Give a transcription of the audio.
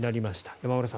山村さん